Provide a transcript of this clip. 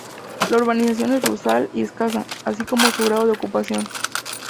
La urbanización es rural y escasa, así como su grado de ocupación.